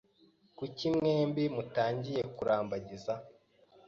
Kuki mwembi mutagiye kurambagiza?